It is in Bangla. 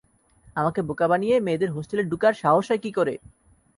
আমাকে বোকা বানিয়ে মেয়েদের হোস্টেলে ডুকার সাহস হয় কি করে?